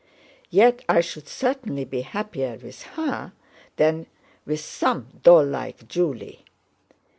Yet I should certainly be happier with her than with some doll like Julie.